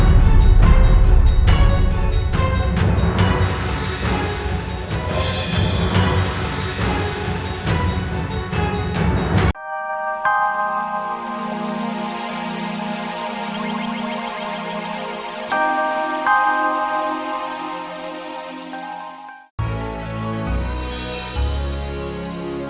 aku ingin jatuhkan suaraku kepada expressdamu